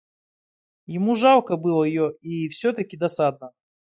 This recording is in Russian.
Ему жалко было ее и все-таки досадно.